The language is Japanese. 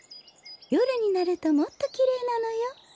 よるになるともっときれいなのよ。